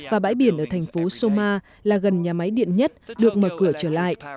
và bãi biển ở thành phố soma là gần nhà máy điện nhất được mở cửa trở lại